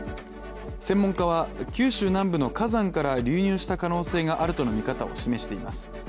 専門家は九州南部の火山から流入した可能性があるとの味方を示しています。